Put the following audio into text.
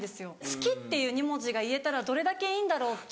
「好き」っていう２文字が言えたらどれだけいいんだろうっていう。